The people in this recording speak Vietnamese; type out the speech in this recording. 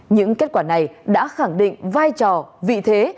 những kết quả này đã khẳng định vai trò vị thế